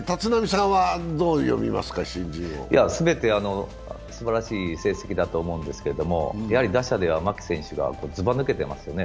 全てすばらしい成績だと思うんですけれども打者では牧選手がずば抜けていますよね。